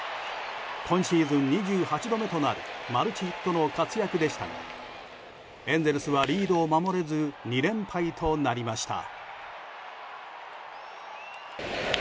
今シーズン２８度目となるマルチヒットの活躍でしたがエンゼルスはリードを守れず２連敗となりました。